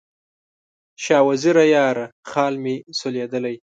شاه وزیره یاره، خال مې سولېدلی